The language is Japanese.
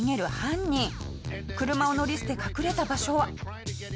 車を乗り捨て隠れた場所は。